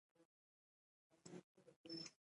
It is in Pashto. ازادي راډیو د سیاست په اړه د ټولنې د ځواب ارزونه کړې.